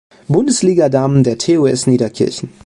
Bundesliga Damen des TuS Niederkirchen.